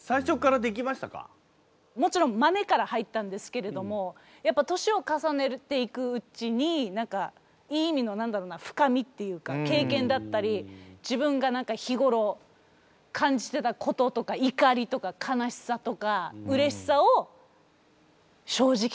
もちろんまねから入ったんですけれどもやっぱ年を重ねていくうちに何かいい意味の何だろうな深みっていうか経験だったり自分が日頃感じてたこととか怒りとか悲しさとかうれしさを正直に出してるんだと思う。